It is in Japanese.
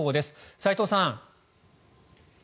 齋藤さん。